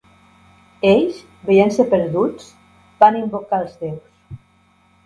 Ells, veient-se perduts, van invocar els déus.